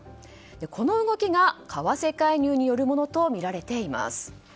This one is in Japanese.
この動きが、為替介入によるものとみられています。